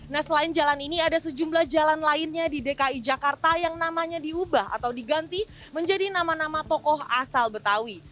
nah selain jalan ini ada sejumlah jalan lainnya di dki jakarta yang namanya diubah atau diganti menjadi nama nama tokoh asal betawi